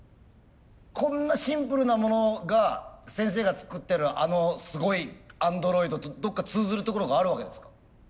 こんなシンプルなものが先生が作ってるあのすごいアンドロイドとどっか通ずるところがあるわけですか？